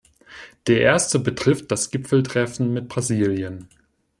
Der erste betrifft das Gipfeltreffen mit Brasilien.